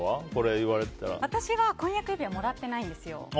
私は婚約指輪もらってないんですよ。